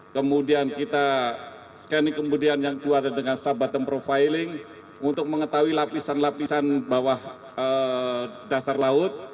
kemudian kita scanning kemudian yang kedua dengan sub bottom profiling untuk mengetahui lapisan lapisan bawah dasar laut